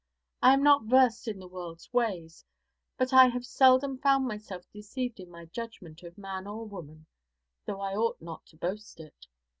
I am not versed in the world's ways, but I have seldom found myself deceived in my judgment of man or woman, though I ought not to boast it.